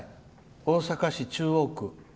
大阪市中央区。